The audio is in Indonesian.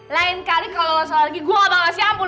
lain kali kalo salah lagi gua gak bakal siap pun